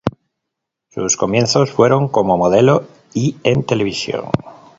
Sus comienzos fueron como modelo y en televisión.